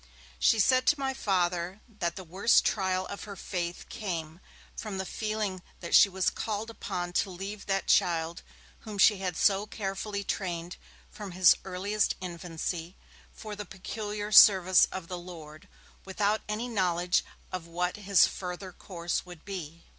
She said to my Father that the worst trial of her faith came from the feeling that she was called upon to leave that child whom she had so carefully trained from his earliest infancy for the peculiar service of the Lord, without any knowledge of what his further course would be.